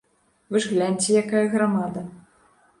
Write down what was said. Вы ж гляньце, якая грамада.